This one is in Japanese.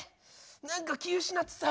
何か気失ってた。